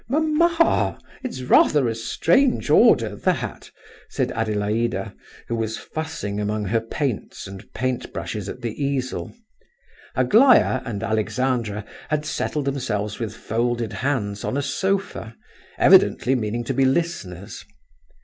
"Mamma, it's rather a strange order, that!" said Adelaida, who was fussing among her paints and paint brushes at the easel. Aglaya and Alexandra had settled themselves with folded hands on a sofa, evidently meaning to be listeners.